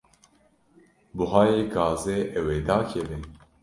Buhayê gazê ew ê dakeve?